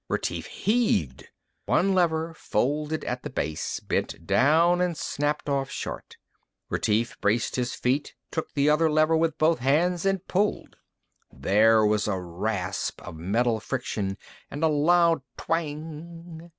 Retief heaved. One lever folded at the base, bent down and snapped off short. Retief braced his feet, took the other lever with both hands and pulled. There was a rasp of metal friction, and a loud twang.